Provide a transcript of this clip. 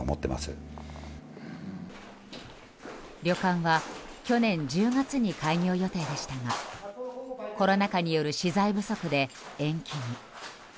旅館は去年１０月に開業予定でしたがコロナ禍による資材不足で延期に。